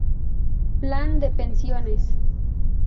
Plan de pensiones